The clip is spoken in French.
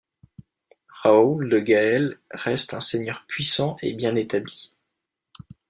Raoul de Gaël reste un seigneur puissant et bien établi.